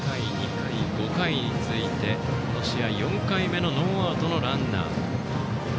１回、２回、５回に続いてこの試合４回目のノーアウトのランナー。